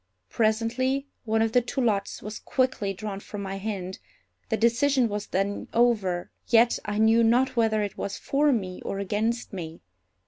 Presently one of the two lots was quickly drawn from my hand. The decision was then over, yet I knew not whether it was for me or against me.